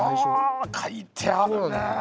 書いてあるね！